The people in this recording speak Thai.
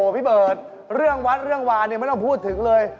พี่เบิร์ตเรื่องวัดเรื่องวานไม่ต้องพูดถึงเลย